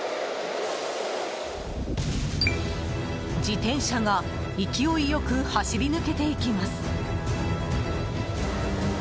自転車が勢いよく走り抜けていきます。